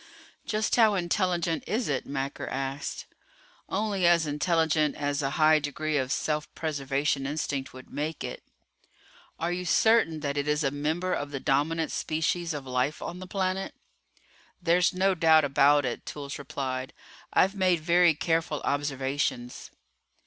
"Just how intelligent is it?" Macker asked. "Only as intelligent as a high degree of self preservation instinct would make it." "Are you certain that it is a member of the dominant species of life on the planet?" "There's no doubt about it," Toolls replied. "I've made very careful observations."